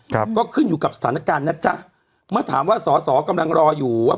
ครับก็ขึ้นอยู่กับสถานการณ์นะจ๊ะเมื่อถามว่าสอสอกำลังรออยู่ว่า